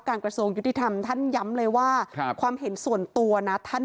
กระทรวงยุติธรรมท่านย้ำเลยว่าความเห็นส่วนตัวนะท่าน